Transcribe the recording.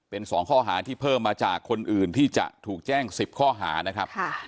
เป็น๒ข้อหาที่เพิ่มมาจากคนอื่นที่จะถูกแจ้ง๑๐ข้อหานะครับ